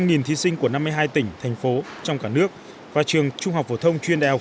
nghìn thí sinh của năm mươi hai tỉnh thành phố trong cả nước và trường trung học phổ thông chuyên đại học